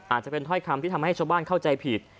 อาจจะเป็นถ้อยคำที่ทำให้ชาวบ้านเข้าใจผิด